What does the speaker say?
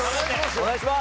お願いします。